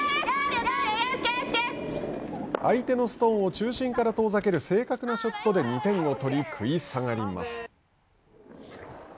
相手のストーンを中心から遠ざける正確なショットで２点を取り食い下がります。